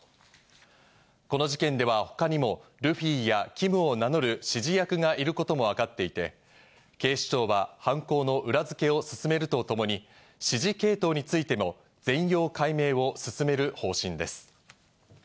この事件では、他にもルフィやキムを名乗る指示役がいることも分かっていて、警視庁は犯行の裏付けを進めるとともに、指示系統についても全容解明を進める方針です。